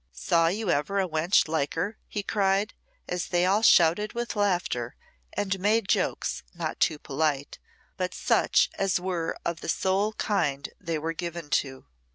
"Saw you ever a wench like her?" he cried, as they all shouted with laughter and made jokes not too polite, but such as were of the sole kind they were given to.